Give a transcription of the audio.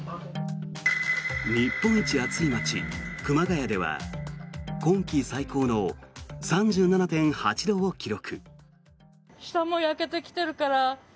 日本一暑い街、熊谷では今季最高の３７．８度を記録。